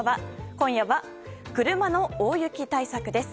今夜は車の大雪対策です。